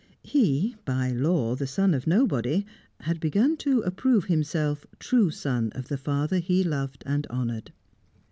He, by law the son of nobody, had begun to approve himself true son of the father he loved and honoured.